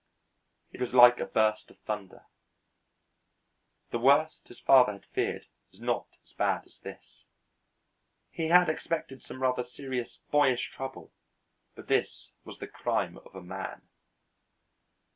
It was like a burst of thunder. The worst his father had feared was not as bad as this. He had expected some rather serious boyish trouble, but this was the crime of a man.